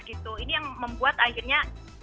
gitu ini yang membuat akhirnya